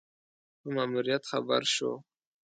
په ماموریت خبر شو.